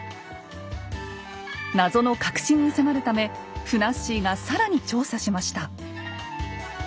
謎の核心に迫るためふなっしーが更に調査しました。